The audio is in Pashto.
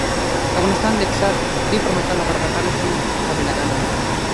د افغانستان د اقتصادي پرمختګ لپاره پکار ده چې قابله ګانې وي.